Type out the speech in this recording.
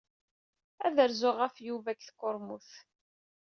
Ad rzuɣ ɣef Yuba deg tkurmut.